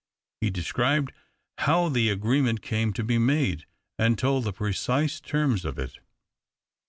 He described how the agreement came to be made, and told the precise terms of it.